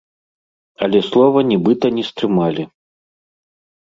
Але слова нібыта не стрымалі.